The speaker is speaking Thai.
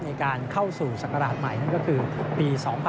ในการเข้าสู่ศักราชใหม่นั่นก็คือปี๒๕๖๒